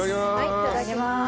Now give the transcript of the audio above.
いただきまーす。